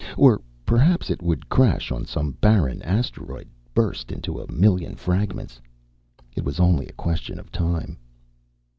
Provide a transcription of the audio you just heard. Or perhaps it would crash on some barren asteroid, burst into a million fragments. It was only a question of time.